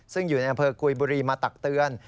ซึ่งอยู่ในอำเภอกุยบุรีมาตักเตือน